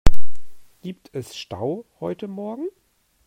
Gibt es Stau heute morgen?